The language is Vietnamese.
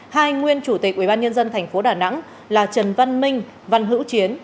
hai nguyên chủ tịch ubnd tp đà nẵng là trần văn minh văn hữu chiến